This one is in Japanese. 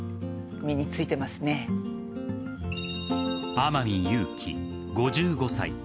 天海祐希、５５歳。